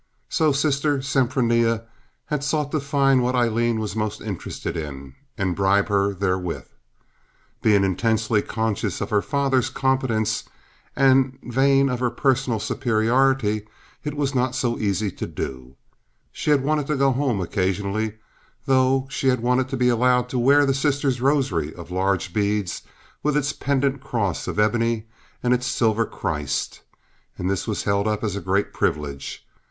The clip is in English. So Sister Sempronia had sought to find what Aileen was most interested in, and bribe her therewith. Being intensely conscious of her father's competence, and vain of her personal superiority, it was not so easy to do. She had wanted to go home occasionally, though; she had wanted to be allowed to wear the sister's rosary of large beads with its pendent cross of ebony and its silver Christ, and this was held up as a great privilege.